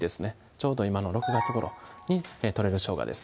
ちょうど今の６月ごろに取れる生姜です